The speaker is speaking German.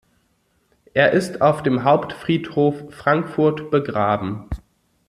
Er ist auf dem Hauptfriedhof Frankfurt begraben.